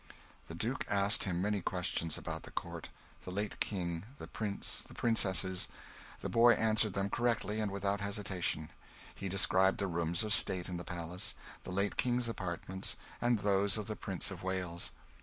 The Duke asked him many questions about the Court, the late King, the prince, the princesses the boy answered them correctly and without hesitating. He described the rooms of state in the palace, the late King's apartments, and those of the Prince of Wales.